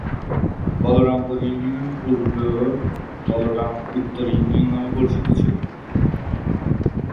Balarampur union পূর্বে বলরামপুর উত্তর union নামে পরিচিত ছিল।